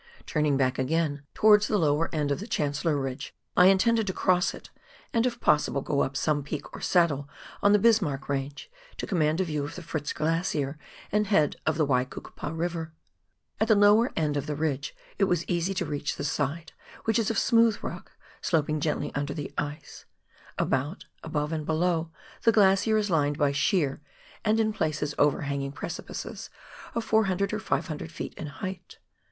Turning back again towards the lower end of the Chancellor Ridge, I intended to cross it, and if possible go up some peak or saddle on the Bismarck Range, to command a view of the Fritz Glacier and head of the Waikukupa River. At the lower end of the ridge it was easy to reach the side, which is of smooth rock sloping gently under the ice ; about, above and below, the glacier is lined by sheer and, in places, overhanging precipices of 400 or 500 ft. in height.